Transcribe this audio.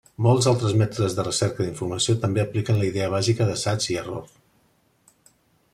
Molts altres mètodes de recerca d'informació també apliquen la idea bàsica d'assaig i error.